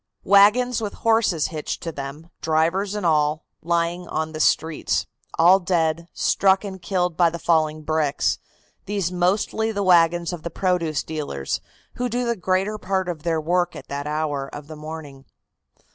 Wagons with horses hitched to them, drivers and all, lying on the streets, all dead, struck and killed by the falling bricks, these mostly the wagons of the produce dealers, who do the greater part of their work at that hour of the morning.